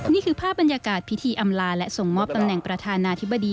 นี่คือภาพบรรยากาศพิธีอำลาและส่งมอบตำแหน่งประธานาธิบดี